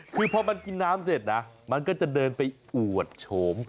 คือพอมันกินน้ำเสร็จนะมันก็จะเดินไปอวดโฉม